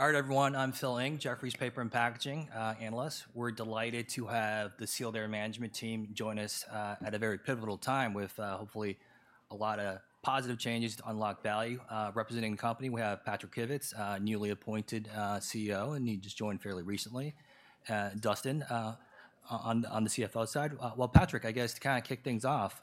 All right, everyone, I'm Phil Ng, Jefferies Paper and Packaging analyst. We're delighted to have the Sealed Air management team join us at a very pivotal time with hopefully a lot of positive changes to unlock value. Representing the company, we have Patrick Kivits, newly appointed CEO, and he just joined fairly recently. Dustin, on the CFO side. Well, Patrick, I guess to kinda kick things off,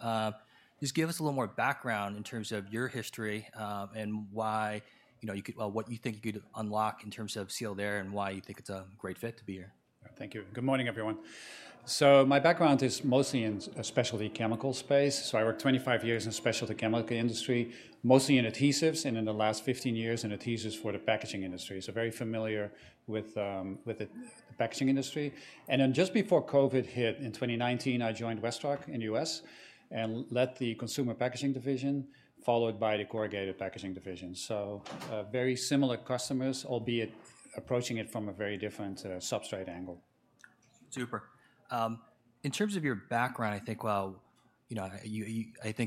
just give us a little more background in terms of your history and why, you know, you could, well, what you think you could unlock in terms of Sealed Air, and why you think it's a great fit to be here. Thank you. Good morning, everyone. So my background is mostly in a specialty chemical space, so I worked 25 years in the specialty chemical industry, mostly in adhesives, and in the last 15 years, in adhesives for the packaging industry, so very familiar with the packaging industry. And then just before COVID hit in 2019, I joined WestRock in the U.S. and led the consumer packaging division, followed by the corrugated packaging division. So, very similar customers, albeit approaching it from a very different substrate angle. Super. In terms of your background, I think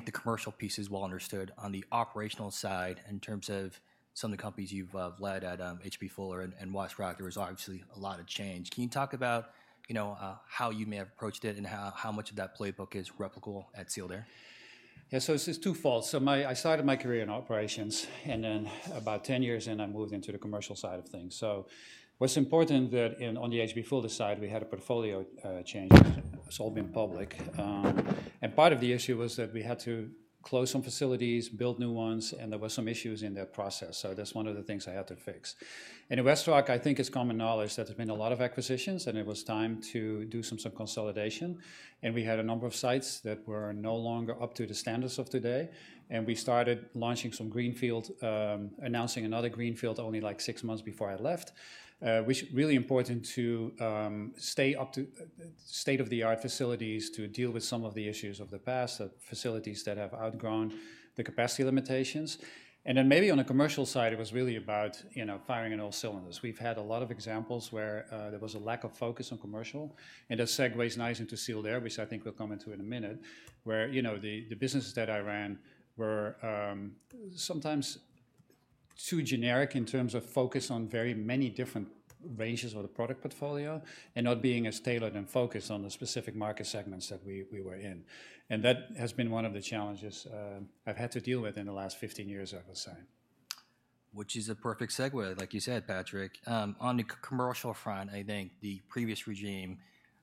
the commercial piece is well understood. On the operational side, in terms of some of the companies you've led at H.B. Fuller and WestRock, there was obviously a lot of change. Can you talk about, you know, how you may have approached it and how much of that playbook is replicable at Sealed Air? Yeah, so it's, it's twofold. So my, I started my career in operations, and then about ten years in, I moved into the commercial side of things. So what's important that in, on the H.B. Fuller side, we had a portfolio change, so being public. And part of the issue was that we had to close some facilities, build new ones, and there were some issues in that process, so that's one of the things I had to fix. In WestRock, I think it's common knowledge that there's been a lot of acquisitions, and it was time to do some consolidation, and we had a number of sites that were no longer up to the standards of today, and we started launching some greenfield, announcing another greenfield only, like, six months before I left. which really important to stay up to state-of-the-art facilities to deal with some of the issues of the past, facilities that have outgrown the capacity limitations. Then maybe on the commercial side, it was really about, you know, firing on all cylinders. We've had a lot of examples where there was a lack of focus on commercial, and that segues nicely into Sealed Air, which I think we'll come into in a minute, where, you know, the businesses that I ran were sometimes too generic in terms of focus on very many different ranges of the product portfolio and not being as tailored and focused on the specific market segments that we were in. And that has been one of the challenges I've had to deal with in the last fifteen years, I would say. Which is a perfect segue, like you said, Patrick. On the commercial front, I think the previous regime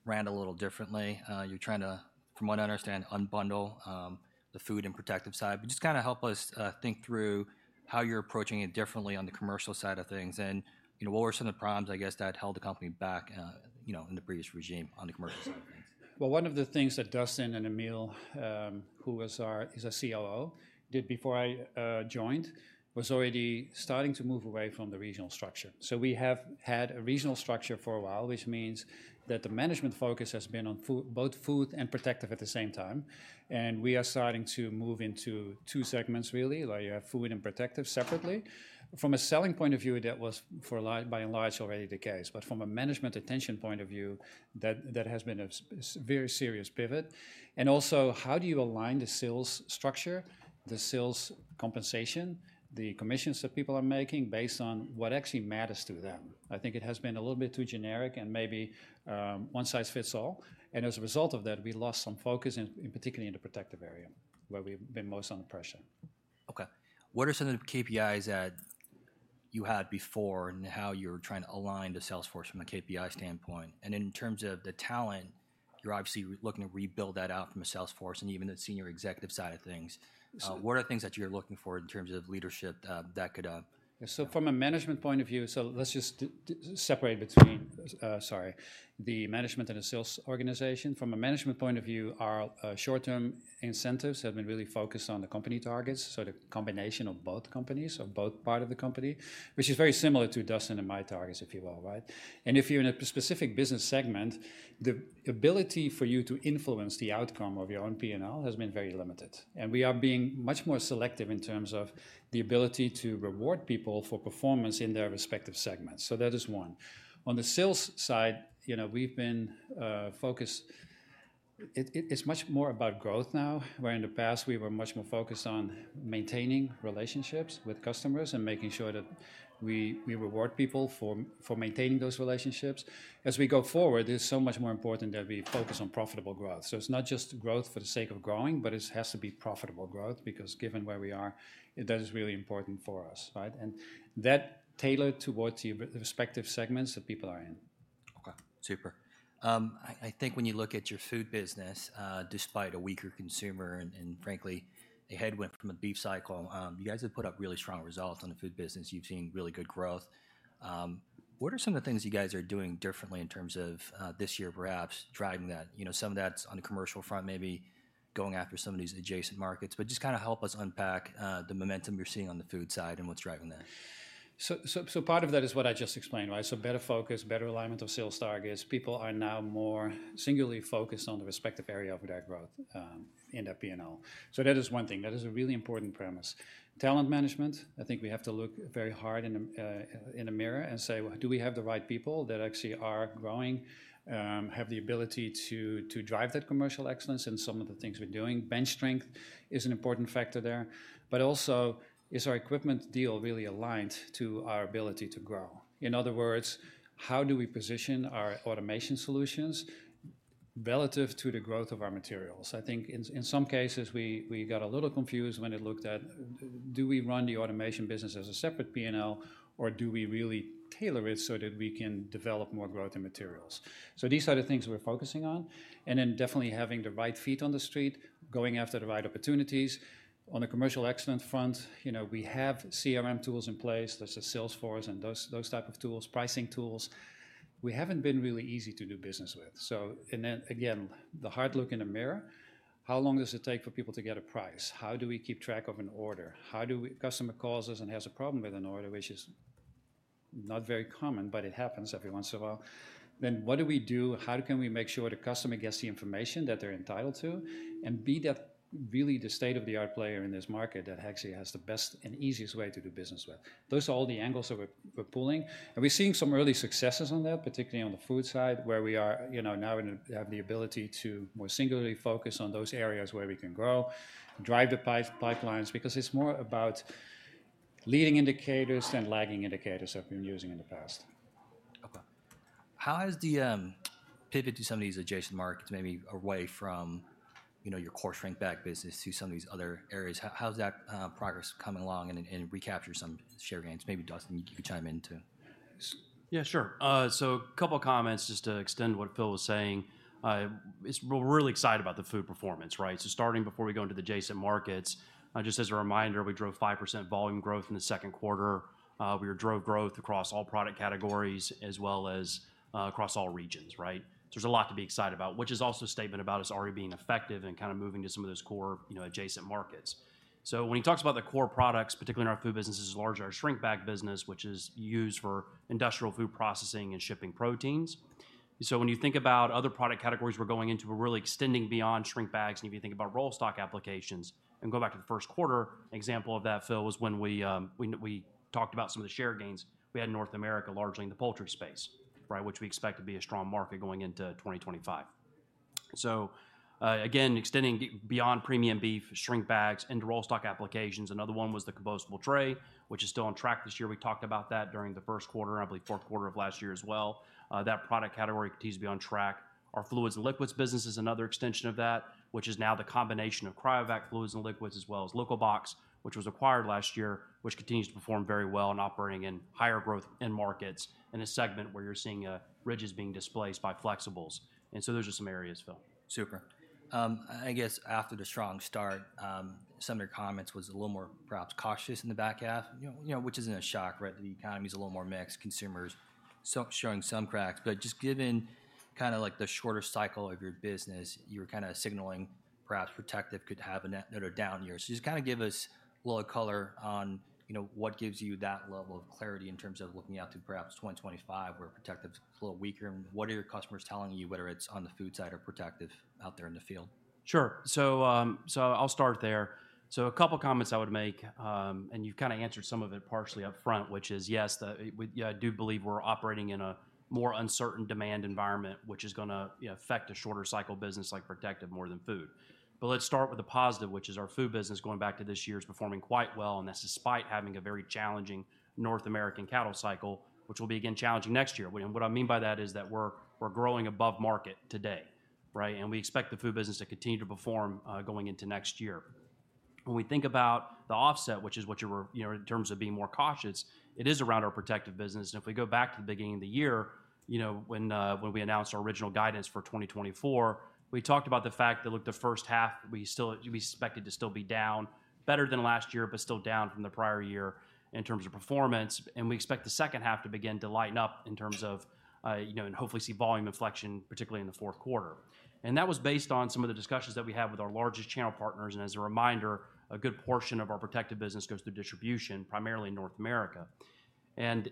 ran a little differently. You're trying to, from what I understand, unbundle the food and protective side, but just kinda help us think through how you're approaching it differently on the commercial side of things. You know, what were some of the problems, I guess, that held the company back, you know, in the previous regime on the commercial side of things? One of the things that Dustin and Emile, who is our COO, did before I joined, was already starting to move away from the regional structure. So we have had a regional structure for a while, which means that the management focus has been on both food and protective at the same time, and we are starting to move into two segments really, where you have food and protective separately. From a selling point of view, that was for a large, by and large, already the case, but from a management attention point of view, that has been a very serious pivot. And also, how do you align the sales structure, the sales compensation, the commissions that people are making based on what actually matters to them? I think it has been a little bit too generic and maybe, one size fits all, and as a result of that, we lost some focus, particularly in the protective area, where we've been most under pressure. Okay. What are some of the KPIs that you had before and how you're trying to align the sales force from a KPI standpoint? And in terms of the talent, you're obviously looking to rebuild that out from a sales force and even the senior executive side of things. So- What are the things that you're looking for in terms of leadership that could? So from a management point of view, so let's just separate between the management and the sales organization. From a management point of view, our short-term incentives have been really focused on the company targets, so the combination of both companies, so both part of the company, which is very similar to Dustin and my targets, if you will, right? And if you're in a specific business segment, the ability for you to influence the outcome of your own P&L has been very limited, and we are being much more selective in terms of the ability to reward people for performance in their respective segments. So that is one. On the sales side, you know, we've been focused... It's much more about growth now, where in the past, we were much more focused on maintaining relationships with customers and making sure that we reward people for maintaining those relationships. As we go forward, it is so much more important that we focus on profitable growth. So it's not just growth for the sake of growing, but it has to be profitable growth because given where we are, that is really important for us, right? And that tailored towards the respective segments that people are in. Okay, super. I think when you look at your food business, despite a weaker consumer and frankly, a headwind from a beef cycle, you guys have put up really strong results on the food business. You've seen really good growth. What are some of the things you guys are doing differently in terms of this year, perhaps driving that? You know, some of that's on the commercial front, maybe going after some of these adjacent markets, but just kinda help us unpack the momentum you're seeing on the food side and what's driving that. So part of that is what I just explained, right? So better focus, better alignment of sales targets. People are now more singularly focused on the respective area of their growth in that P&L. So that is one thing. That is a really important premise. Talent management, I think we have to look very hard in the mirror and say: Do we have the right people that actually are growing, have the ability to drive that commercial excellence in some of the things we're doing? Bench strength is an important factor there, but also, is our equipment deal really aligned to our ability to grow? In other words, how do we position our automation solutions relative to the growth of our materials. I think in some cases, we got a little confused when it looked at, do we run the automation business as a separate P&L, or do we really tailor it so that we can develop more growth in materials? So these are the things we're focusing on, and then definitely having the right feet on the street, going after the right opportunities. On the commercial excellence front, you know, we have CRM tools in place. There's a Salesforce and those type of tools, pricing tools. We haven't been really easy to do business with, so and then again, the hard look in the mirror, how long does it take for people to get a price? How do we keep track of an order? How do we customer calls us and has a problem with an order, which is not very common, but it happens every once in a while. Then what do we do? How can we make sure the customer gets the information that they're entitled to, and be the, really the state-of-the-art player in this market that actually has the best and easiest way to do business with? Those are all the angles that we're pulling, and we're seeing some early successes on that, particularly on the food side, where we are, you know, now in a have the ability to more singularly focus on those areas where we can grow, drive the pipelines, because it's more about leading indicators and lagging indicators that we've been using in the past. Okay. How has the pivot to some of these adjacent markets, maybe away from, you know, your core shrink bag business to some of these other areas, how's that progress coming along and recapture some share gains? Maybe Dustin, you can chime in, too. Yeah, sure. So a couple comments just to extend what Phil was saying. We're really excited about the food performance, right? So starting before we go into the adjacent markets, just as a reminder, we drove 5% volume growth in the second quarter. We drove growth across all product categories as well as across all regions, right? So there's a lot to be excited about, which is also a statement about us already being effective and kind of moving to some of those core, you know, adjacent markets. So when he talks about the core products, particularly in our food business, is largely our shrink bag business, which is used for industrial food processing and shipping proteins. So when you think about other product categories, we're going into a really extending beyond shrink bags, and if you think about roll stock applications, and go back to the first quarter, an example of that, Phil, was when we, when we talked about some of the share gains we had in North America, largely in the poultry space, right? Which we expect to be a strong market going into 2025. So, again, extending beyond premium beef, shrink bags into roll stock applications, another one was the compostable tray, which is still on track this year. We talked about that during the first quarter, and I believe fourth quarter of last year as well. That product category continues to be on track. Our fluids and liquids business is another extension of that, which is now the combination of Cryovac fluids and liquids, as well as Liquibox, which was acquired last year, which continues to perform very well and operating in higher growth end markets in a segment where you're seeing ri being displaced by flexibles. And so those are some areas, Phil. Super. I guess after the strong start, some of your comments was a little more perhaps cautious in the back half, you know, you know, which isn't a shock, right? The economy's a little more mixed, consumers showing some cracks, but just given kind of like the shorter cycle of your business, you're kind of signaling perhaps protective could have yet another down year. So just kind of give us a little color on, you know, what gives you that level of clarity in terms of looking out to perhaps twenty twenty-five, where protective's a little weaker, and what are your customers telling you, whether it's on the food side or protective out there in the field? Sure. So, so I'll start there. So a couple comments I would make, and you've kind of answered some of it partially up front, which is, yes, the, we, I do believe we're operating in a more uncertain demand environment, which is gonna, you know, affect a shorter cycle business like protective more than food. But let's start with the positive, which is our food business going back to this year is performing quite well, and that's despite having a very challenging North American cattle cycle, which will be again challenging next year. What I mean by that is that we're, we're growing above market today, right? And we expect the food business to continue to perform, going into next year. When we think about the offset, which is what you were... you know, in terms of being more cautious, it is around our protective business. And if we go back to the beginning of the year, you know, when we announced our original guidance for twenty twenty-four, we talked about the fact that, look, the first half we still, we expected to still be down. Better than last year, but still down from the prior year in terms of performance, and we expect the second half to begin to lighten up in terms of, you know, and hopefully see volume inflection, particularly in the fourth quarter. And that was based on some of the discussions that we had with our largest channel partners, and as a reminder, a good portion of our protective business goes through distribution, primarily in North America. And,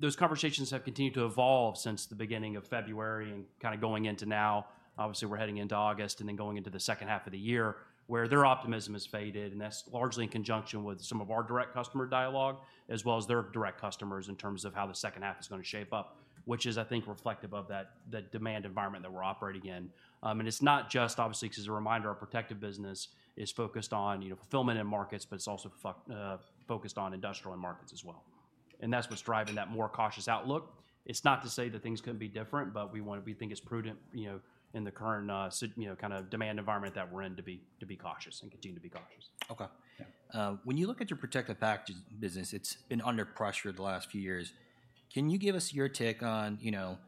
those conversations have continued to evolve since the beginning of February and kind of going into now. Obviously, we're heading into August and then going into the second half of the year, where their optimism has faded, and that's largely in conjunction with some of our direct customer dialogue, as well as their direct customers in terms of how the second half is going to shape up, which is, I think, reflective of that, that demand environment that we're operating in. And it's not just obviously, just as a reminder, our protective business is focused on, you know, fulfillment in markets, but it's also focused on industrial end markets as well. And that's what's driving that more cautious outlook. It's not to say that things couldn't be different, but we think it's prudent, you know, in the current, you know, kind of demand environment that we're in to be, to be cautious and continue to be cautious. Okay. Yeah. When you look at your protective packaging business, it's been under pressure the last few years. Can you give us your take on, you know,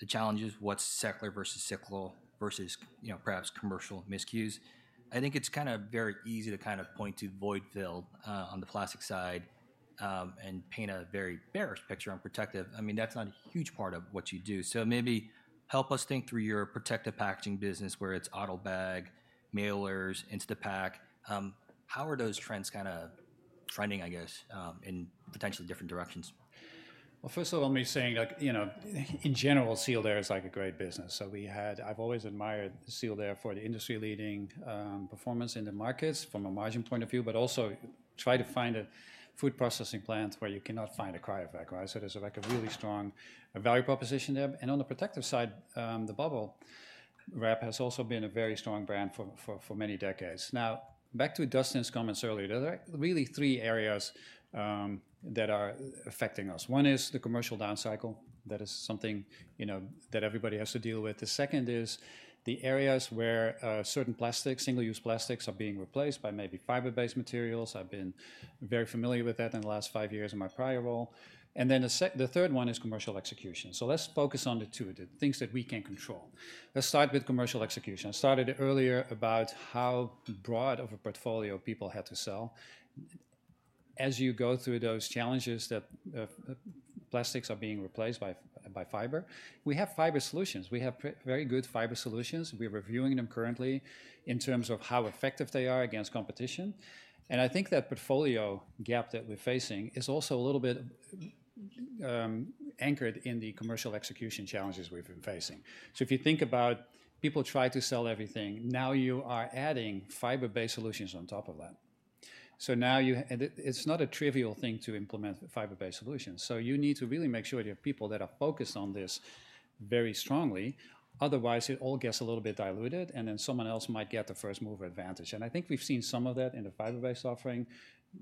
the challenges, what's secular versus cyclical versus, you know, perhaps commercial miscues? I think it's kind of very easy to kind of point to void fill, on the plastic side, and paint a very bearish picture on protective. I mean, that's not a huge part of what you do. So maybe help us think through your protective packaging business, where it's Autobag, mailers, Instapak. How are those trends kind of trending, I guess, in potentially different directions? First of all, let me say, like, you know, in general, Sealed Air is like a great business. I've always admired Sealed Air for the industry-leading performance in the markets from a margin point of view, but also try to find a food processing plant where you cannot find a Cryovac, right? So there's, like, a really strong value proposition there. And on the protective side, the Bubble Wrap has also been a very strong brand for many decades. Now, back to Dustin's comments earlier, there are really three areas that are affecting us. One is the commercial down cycle. That is something, you know, that everybody has to deal with. The second is the areas where certain plastics, single-use plastics, are being replaced by maybe fiber-based materials. I've been very familiar with that in the last five years in my prior role. And then the third one is commercial execution. So let's focus on the two, the things that we can control. Let's start with commercial execution. I started earlier about how broad of a portfolio people had to sell. As you go through those challenges, that, plastics are being replaced by fiber, we have fiber solutions. We have very good fiber solutions. We're reviewing them currently in terms of how effective they are against competition, and I think that portfolio gap that we're facing is also a little bit anchored in the commercial execution challenges we've been facing. So if you think about people try to sell everything, now you are adding fiber-based solutions on top of that. So now you... And it's not a trivial thing to implement fiber-based solutions, so you need to really make sure you have people that are focused on this very strongly. Otherwise, it all gets a little bit diluted, and then someone else might get the first-mover advantage. And I think we've seen some of that in the fiber-based offering,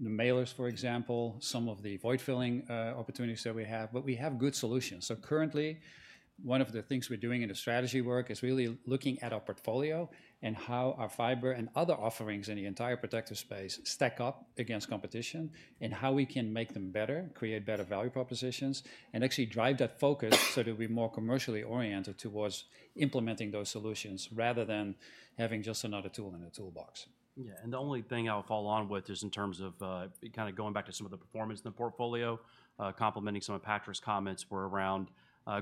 the mailers, for example, some of the void filling opportunities that we have, but we have good solutions. So currently, one of the things we're doing in the strategy work is really looking at our portfolio and how our fiber and other offerings in the entire protective space stack up against competition, and how we can make them better, create better value propositions, and actually drive that focus so that we're more commercially oriented towards implementing those solutions rather than having just another tool in the toolbox. Yeah, and the only thing I'll follow on with is in terms of kind of going back to some of the performance in the portfolio, complementing some of Patrick's comments were around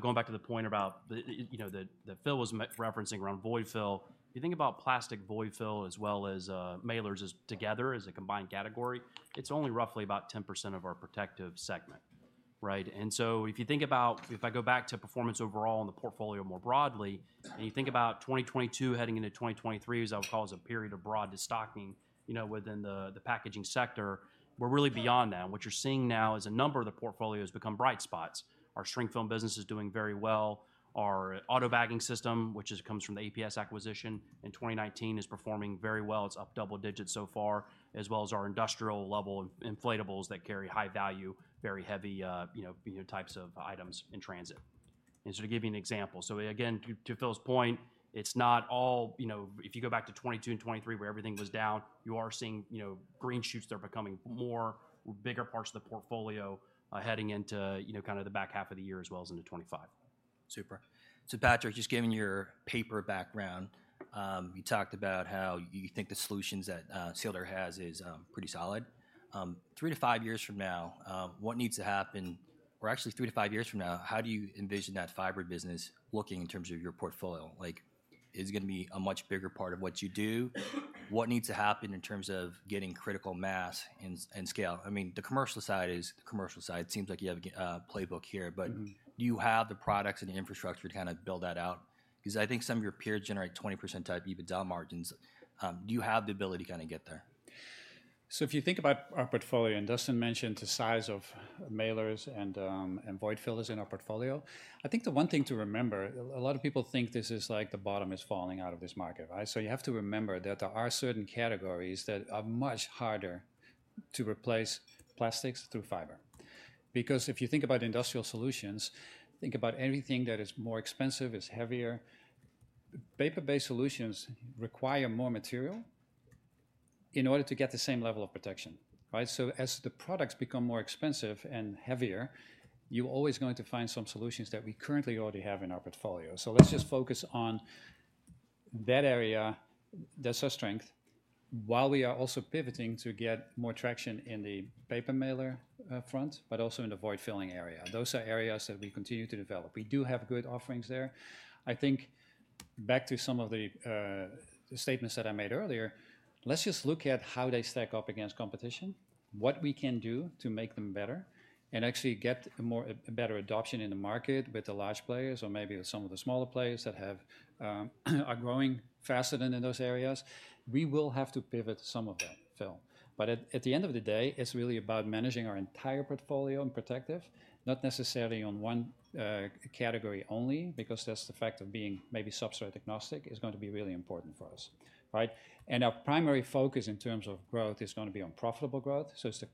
going back to the point about the, you know, that Phil was mentioning referencing around void fill. If you think about plastic void fill as well as mailers as together as a combined category, it's only roughly about 10% of our protective segment, right? And so if you think about if I go back to performance overall and the portfolio more broadly, and you think about 2022 heading into 2023 as I would call as a period of broad destocking, you know, within the packaging sector, we're really beyond that. What you're seeing now is a number of the portfolios become bright spots. Our shrink film business is doing very well. Our Autobag system, which comes from the APS acquisition in 2019, is performing very well. It's up double digits so far, as well as our industrial level inflatables that carry high value, very heavy, you know, types of items in transit. And so to give you an example, so again, to Phil's point, it's not all... You know, if you go back to 2022 and 2023 where everything was down, you are seeing, you know, green shoots that are becoming more bigger parts of the portfolio, heading into, you know, kind of the back half of the year, as well as into 2025. Super. So Patrick, just given your paper background, you talked about how you think the solutions that Sealed Air has is pretty solid. Three to five years from now, what needs to happen? Or actually, three to five years from now, how do you envision that fiber business looking in terms of your portfolio? Like, is it gonna be a much bigger part of what you do? What needs to happen in terms of getting critical mass and scale? I mean, the commercial side is the commercial side. Seems like you have a playbook here, but- Mm-hmm. Do you have the products and infrastructure to kind of build that out? 'Cause I think some of your peers generate 20% type EBITDA margins. Do you have the ability to kind of get there? So if you think about our portfolio, and Dustin mentioned the size of mailers and and void fillers in our portfolio, I think the one thing to remember, a lot of people think this is like the bottom is falling out of this market, right? So you have to remember that there are certain categories that are much harder to replace plastics through fiber. Because if you think about industrial solutions, think about anything that is more expensive, it's heavier. Paper-based solutions require more material in order to get the same level of protection, right? So as the products become more expensive and heavier, you're always going to find some solutions that we currently already have in our portfolio. So let's just focus on that area, that's our strength, while we are also pivoting to get more traction in the paper mailer front, but also in the void fill area. Those are areas that we continue to develop. We do have good offerings there. I think back to some of the statements that I made earlier, let's just look at how they stack up against competition, what we can do to make them better and actually get a more, a better adoption in the market with the large players or maybe some of the smaller players that have are growing faster than in those areas. We will have to pivot some of that film, but at the end of the day, it's really about managing our entire portfolio in protective, not necessarily on one category only, because that's the fact of being maybe substrate agnostic is going to be really important for us, right? And our primary focus in terms of growth is going to be on profitable growth. So it's the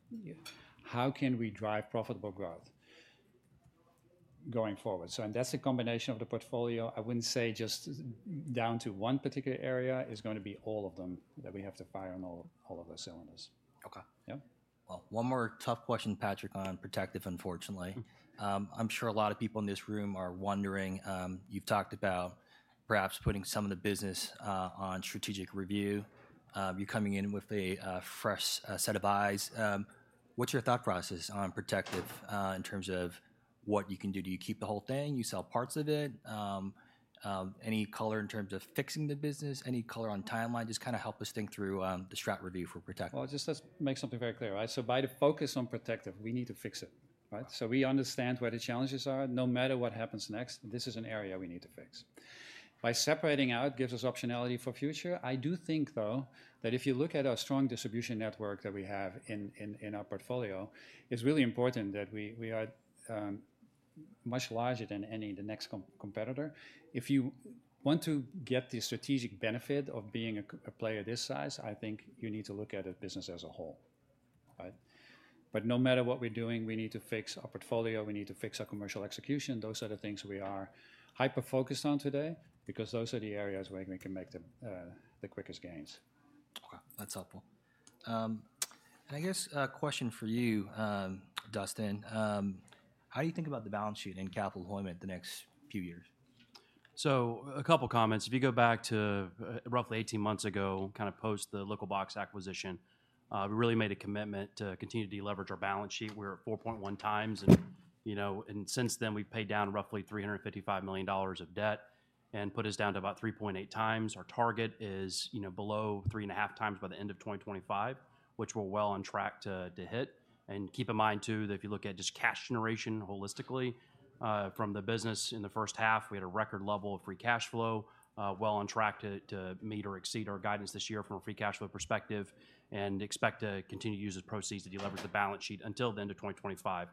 how can we drive profitable growth going forward? So and that's a combination of the portfolio. I wouldn't say just down to one particular area. It's going to be all of them, that we have to fire on all of the cylinders. Okay. Yeah. One more tough question, Patrick, on Protective, unfortunately. Okay. I'm sure a lot of people in this room are wondering, you've talked about perhaps putting some of the business on strategic review. You're coming in with a fresh set of eyes. What's your thought process on protective in terms of what you can do? Do you keep the whole thing? Do you sell parts of it? Any color in terms of fixing the business? Any color on timeline? Just kind of help us think through the strat review for protective. Just let's make something very clear, right? So by the focus on Protective, we need to fix it, right? So we understand where the challenges are. No matter what happens next, this is an area we need to fix. By separating out, gives us optionality for future. I do think, though, that if you look at our strong distribution network that we have in our portfolio, it's really important that we are much larger than any of the next competitor. If you want to get the strategic benefit of being a player this size, I think you need to look at the business as a whole, right? But no matter what we're doing, we need to fix our portfolio, we need to fix our commercial execution. Those are the things we are hyper-focused on today, because those are the areas where we can make the quickest gains. Okay, that's helpful. And I guess a question for you, Dustin, how do you think about the balance sheet and capital deployment the next few years? So a couple comments. If you go back to roughly 18 months ago, kind of post the Liquibox acquisition, we really made a commitment to continue to deleverage our balance sheet. We're at 4.1 times, and, you know, and since then, we've paid down roughly $355 million of debt and put us down to about 3.8 times. Our target is, you know, below 3.5 times by the end of 2025, which we're well on track to hit. And keep in mind, too, that if you look at just cash generation holistically, from the business in the first half, we had a record level of free cash flow, well on track to meet or exceed our guidance this year from a free cash flow perspective, and expect to continue to use the proceeds to deleverage the balance sheet until the end of twenty twenty-five.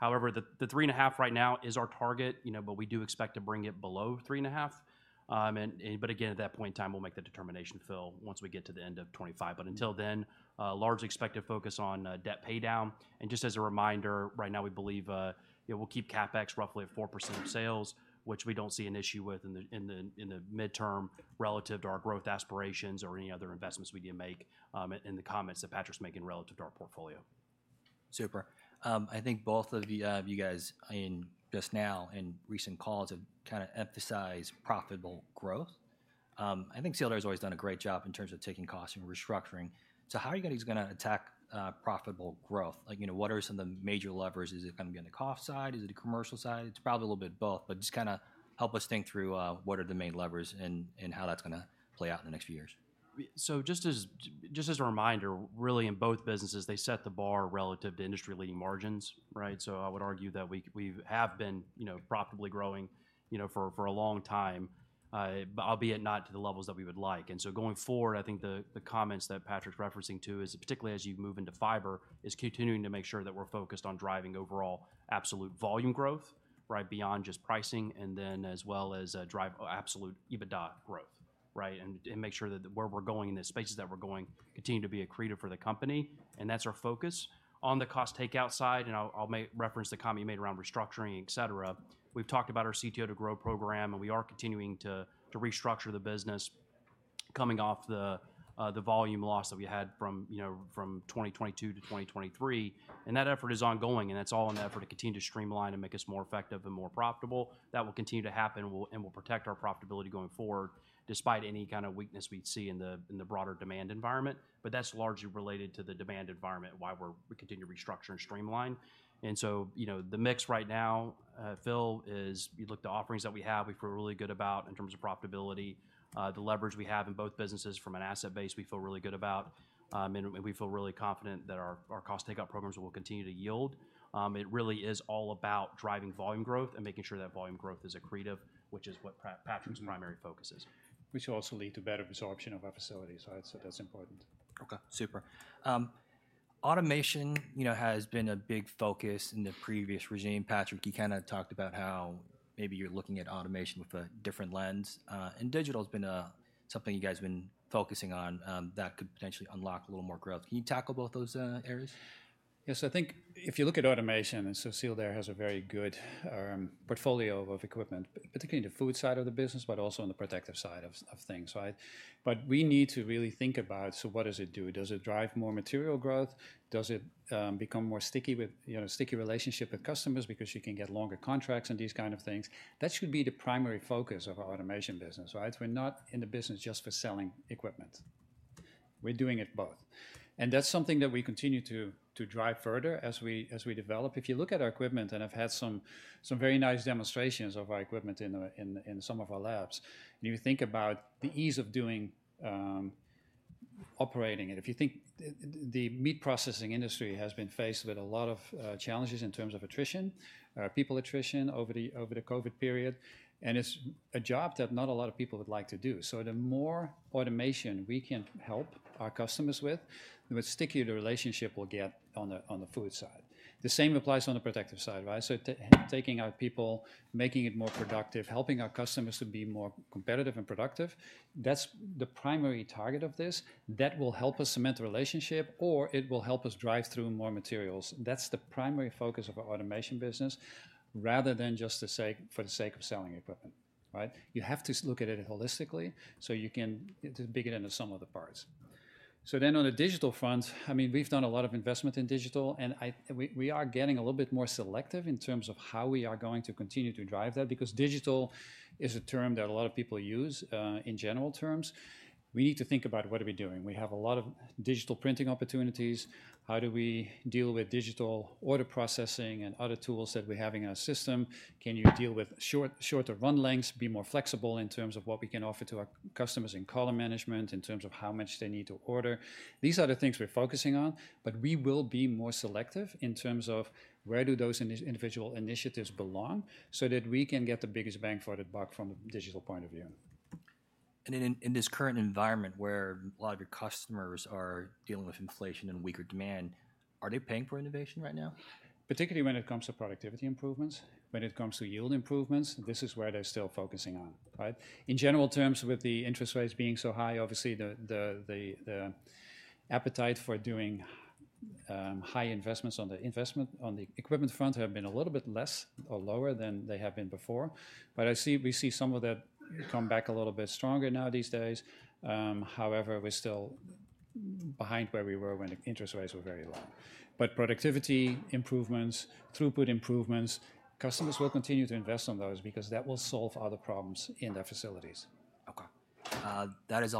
However, the three and a half right now is our target, you know, but we do expect to bring it below three and a half. But again, at that point in time, we'll make that determination, Phil, once we get to the end of 2025. But until then, largely expect to focus on debt paydown. Just as a reminder, right now, we believe we'll keep CapEx roughly at 4% of sales, which we don't see an issue with in the midterm relative to our growth aspirations or any other investments we need to make in the comments that Patrick's making relative to our portfolio. Super. I think both of you, you guys, in just now in recent calls, have kinda emphasized profitable growth. I think Sealed Air has always done a great job in terms of taking costs and restructuring. So how are you guys gonna attack profitable growth? Like, you know, what are some of the major levers? Is it gonna be on the cost side? Is it the commercial side? It's probably a little bit of both, but just kinda help us think through what are the main levers and how that's gonna play out in the next few years. So just as a reminder, really, in both businesses, they set the bar relative to industry-leading margins, right? So I would argue that we have been, you know, profitably growing, you know, for a long time, but albeit not to the levels that we would like. And so going forward, I think the comments that Patrick's referencing to is, particularly as you move into fiber, is continuing to make sure that we're focused on driving overall absolute volume growth, right, beyond just pricing, and then as well as drive absolute EBITDA growth, right? And make sure that where we're going and the spaces that we're going continue to be accretive for the company, and that's our focus. On the cost take out side, and I'll make reference to the comment you made around restructuring, et cetera. We've talked about our CTO to Grow program, and we are continuing to restructure the business coming off the volume loss that we had from, you know, from 2022 to 2023. And that effort is ongoing, and that's all in an effort to continue to streamline and make us more effective and more profitable. That will continue to happen, and we'll protect our profitability going forward, despite any kind of weakness we'd see in the broader demand environment. But that's largely related to the demand environment, why we continue to restructure and streamline. And so, you know, the mix right now, Phil, is you look at the offerings that we have, we feel really good about in terms of profitability. The leverage we have in both businesses from an asset base, we feel really good about, and we feel really confident that our cost take-out programs will continue to yield. It really is all about driving volume growth and making sure that volume growth is accretive, which is what Patrick's primary focus is. Which will also lead to better absorption of our facilities, right? So that's important. Okay, super. Automation, you know, has been a big focus in the previous regime. Patrick, you kinda talked about how maybe you're looking at automation with a different lens, and digital's been something you guys have been focusing on, that could potentially unlock a little more growth. Can you tackle both those areas? Yes, I think if you look at automation, and so Sealed Air has a very good portfolio of equipment, particularly in the food side of the business, but also on the protective side of things, right? But we need to really think about, so what does it do? Does it drive more material growth? Does it become more sticky with, you know, sticky relationship with customers because you can get longer contracts and these kind of things? That should be the primary focus of our automation business, right? We're not in the business just for selling equipment. We're doing it both. And that's something that we continue to drive further as we develop. If you look at our equipment, and I've had some very nice demonstrations of our equipment in some of our labs, and you think about the ease of doing operating it. If you think the meat processing industry has been faced with a lot of challenges in terms of attrition, people attrition over the COVID period, and it's a job that not a lot of people would like to do. So the more automation we can help our customers with, the more stickier the relationship will get on the food side. The same applies on the protective side, right? So taking out people, making it more productive, helping our customers to be more competitive and productive, that's the primary target of this. That will help us cement the relationship, or it will help us drive through more materials. That's the primary focus of our automation business, rather than just for the sake of selling equipment, right? You have to look at it holistically, so you can... the bigger than the sum of the parts. So then on the digital front, I mean, we've done a lot of investment in digital, and we are getting a little bit more selective in terms of how we are going to continue to drive that, because digital is a term that a lot of people use in general terms. We need to think about what are we doing? We have a lot of digital printing opportunities. How do we deal with digital order processing and other tools that we have in our system? Can you deal with shorter run lengths, be more flexible in terms of what we can offer to our customers in color management, in terms of how much they need to order? These are the things we're focusing on, but we will be more selective in terms of where do those individual initiatives belong, so that we can get the biggest bang for the buck from a digital point of view. In this current environment, where a lot of your customers are dealing with inflation and weaker demand, are they paying for innovation right now? Particularly when it comes to productivity improvements, when it comes to yield improvements, this is where they're still focusing on, right? In general terms, with the interest rates being so high, obviously, the appetite for doing high investments on the investment, on the equipment front have been a little bit less or lower than they have been before. But we see some of that come back a little bit stronger now these days. However, we're still behind where we were when the interest rates were very low. But productivity improvements, throughput improvements, customers will continue to invest on those because that will solve other problems in their facilities. Okay, that is all.